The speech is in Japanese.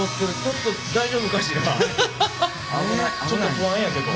ちょっと不安やけど。